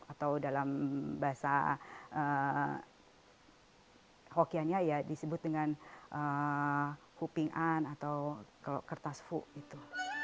atau dalam bahasa hokianya ya disebut dengan hu ping an atau kertas fu itu